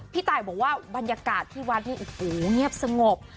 พี่ตายบอกว่าบรรยากาศที่วันนี้อู๋เงียบสงบ